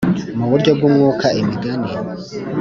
mu buryo bw umwuka Imigani